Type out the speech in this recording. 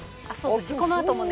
このあともね。